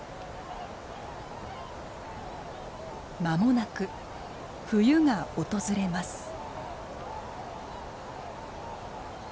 間もなく冬が訪れます。